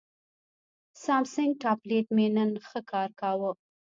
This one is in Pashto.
سامسنګ ټابلیټ مې نن ښه کار کاوه.